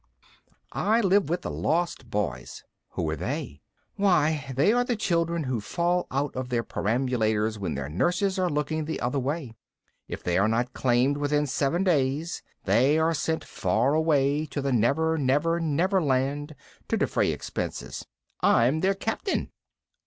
"I live with the Lost Boys." "Who are they?" "Why, they are the children who fall out of their perambulators when their nurses are looking the other way. If they are not claimed within seven days, they are sent far away to the Never Never Never Land to defray expenses. I'm their Captain."